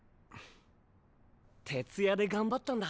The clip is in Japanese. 徹夜でがんばったんだ。